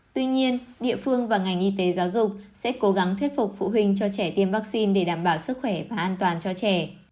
tuy nhiên địa phương và ngành y tế giáo dục sẽ cố gắng thuyết phục phụ huynh cho trẻ tiêm vaccine để đảm bảo sức khỏe và an toàn cho trẻ